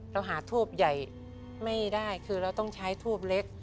เราหาทูบใหญ่ไม่ได้คือเราต้องใช้ทูบเล็ก